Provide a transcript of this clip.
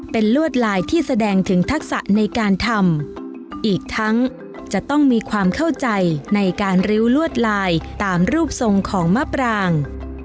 เป็นลวดลายที่แสดงถึงทักษะในการทำอีกทั้งจะต้องมีความเข้าใจในการริ้วลวดลายตามรูปทรงของมะปราง